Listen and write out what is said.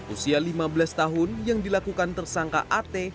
usia lima belas tahun yang dilakukan tersangka at